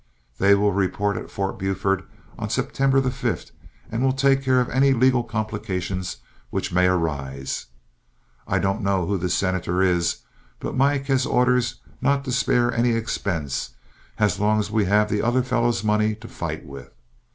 They will report at Fort Buford on September the 5th and will take care of any legal complications which may arise. I don't know who this senator is, but Mike has orders not to spare any expense as long as we have the other fellow's money to fight with.